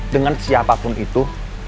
dengan siapapun itu